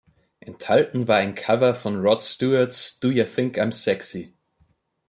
Enthalten war ein Cover von Rod Stewarts "Do Ya Think I’m Sexy?